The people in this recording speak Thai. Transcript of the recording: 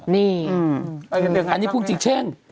นี่อันนี้พูดจริง